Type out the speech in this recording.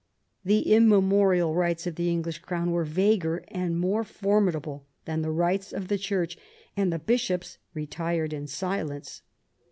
The immemorial rights of the English Crown were vaguei* and more for midable than the rights of the Church, and the bishops retired in silence.